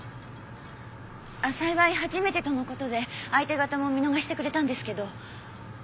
幸い初めてとのことで相手方も見逃してくれたんですけど。